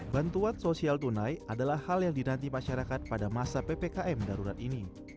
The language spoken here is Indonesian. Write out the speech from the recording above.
bantuan sosial tunai adalah hal yang dinanti masyarakat pada masa ppkm darurat ini